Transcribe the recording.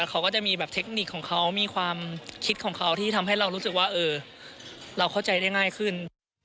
เขาก็จะมีแบบเทคนิคของเขามีความคิดของเขาที่ทำให้เรารู้สึกว่าเราเข้าใจได้ง่ายขึ้น